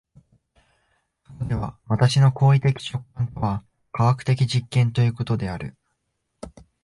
そこでは私の行為的直観とは科学的実験ということである。